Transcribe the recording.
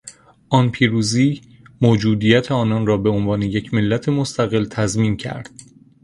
آن پیروزی موجودیت آنان را به عنوان یک ملت مستقل تضمین کرد.